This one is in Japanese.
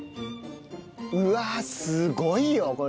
うわっすごいよこれ。